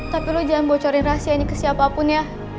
tapi lo jangan bocorin rahasianya ke siapapun ya